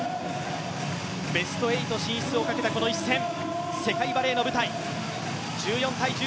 ベスト８進出をかけたこの一戦、世界バレーの舞台。